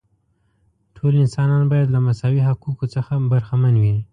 ټول انسانان باید له مساوي حقوقو برخمن وي.